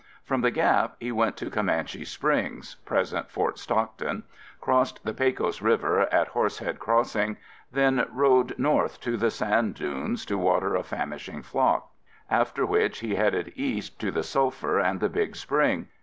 From the Gap, he went to Comanche Springs (present Fort Stockton), crossed the Pecos River at Horsehead Crossing, then rode north to the Sand Dunes to water a famishing flock, after which he headed east to the Sulphur and the Big Spring.